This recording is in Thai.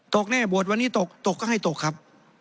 แน่บวชวันนี้ตกตกก็ให้ตกครับ